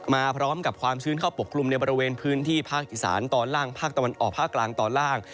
มาพร้อมกับความชื้นเข้าปกคลุมในบริเวณพื้นที่ภาคอีสานตอนล่างภาคตะวันออกภาคกลางตอนล่าง